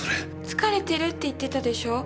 疲れてるって言ってたでしょう？